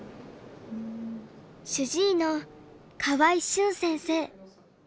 主治医の河合駿先生。